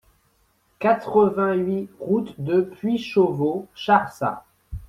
quatre-vingt-huit route de Puychauveau Charsat